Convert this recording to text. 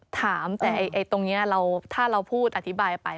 ถามแต่ตรงนี้ถ้าเราพูดอธิบายไป